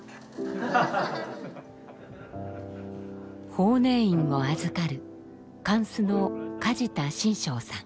法然院を預かる貫主の梶田真章さん。